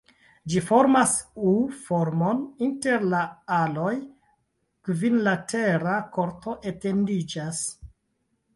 Ĝi formas U-formon, inter la aloj kvinlatera korto etendiĝas.